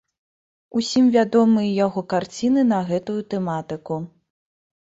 Усім вядомыя яго карціны на гэтую тэматыку.